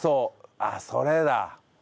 あっそれだ。